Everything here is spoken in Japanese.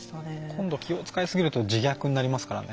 今度気を使いすぎると自虐になりますからね。